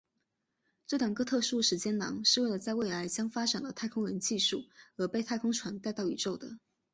这两个特殊的时间囊是为了在未来将发展的太空人技术而被太空船带到宇宙的。